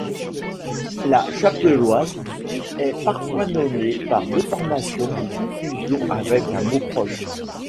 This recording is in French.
La chapelloise est parfois nommée par déformation ou confusion avec un mot proche.